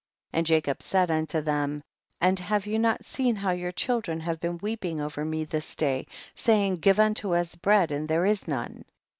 And Jacob said unto them, and have you not seen how your children have been weeping over me this day, saying, give unto us bread, and there is none